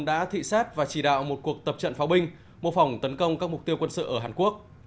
đã thị xát và chỉ đạo một cuộc tập trận pháo binh mô phỏng tấn công các mục tiêu quân sự ở hàn quốc